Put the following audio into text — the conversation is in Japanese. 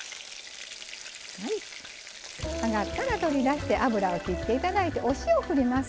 揚がったら取り出して油を切っていただいてお塩を振ります。